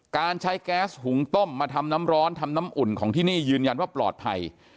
การใช้แก๊สหุงต้มมาทำน้ำร้อนทำน้ำอุ่นของที่นี่ยืนยันว่าปลอดภัย